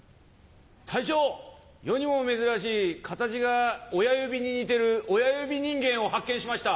隊長世にも珍しい形が親指に似てる親指人間を発見しました。